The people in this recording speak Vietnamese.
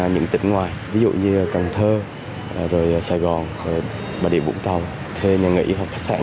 những tỉnh ngoài ví dụ như cần thơ rồi sài gòn bà địa vũng tàu thuê nhà nghỉ hoặc khách sạn